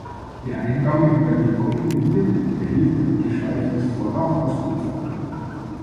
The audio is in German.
Der Eingang in der Gebäudemitte erhielt ein geschweiftes Vordach aus Kupfer.